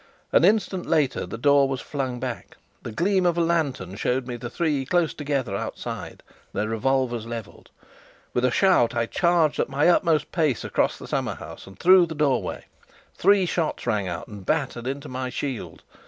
An instant later the door was flung back. The gleam of a lantern showed me the three close together outside, their revolvers levelled. With a shout, I charged at my utmost pace across the summer house and through the doorway. Three shots rang out and battered into my shield.